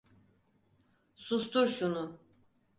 Sustur şunu!